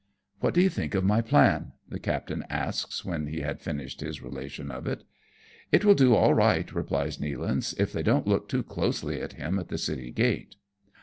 "What do you think of my plan?" the captain asks, when he had finished his relation of it. 94 AMONG TYPHOONS AND PIRATE CRAFT "It will do all right/' replies Nealance, "if they don't look too closely at him at the city gate."